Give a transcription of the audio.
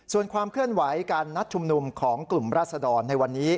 ส่วนความเคลื่อนไหวการนัดชุมนุมของกลุ่มราศดรในวันนี้